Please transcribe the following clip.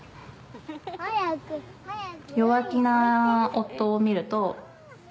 弱気な夫を見ると。